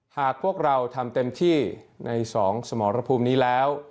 หากพวกเราทำเต็มที่ใน๒สมรภูมินี้แล้ว